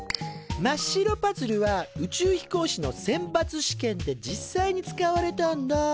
まっ白パズルは宇宙飛行士の選抜試験で実際に使われたんだ。